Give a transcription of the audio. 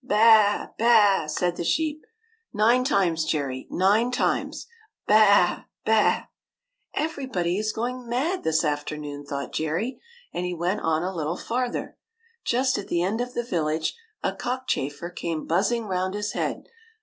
" Baa, baa !" said the sheep. " Nine times, Jerry, nine times ! Baa, baa !"" Everybody is going mad this afternoon," thought Jerry; and he went on a little farther. Just at the end of the village, a cockchafer came buzzing round his head.